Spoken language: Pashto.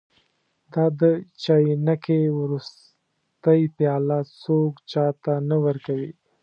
دا د چاینکې وروستۍ پیاله څوک چا ته نه ورکوي.